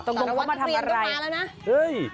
ตรงตรงว่ามาทำอะไร